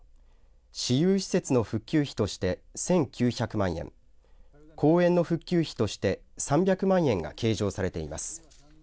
市有施設の復旧費として１９００万円公園の復旧費として３００万円が計上されています。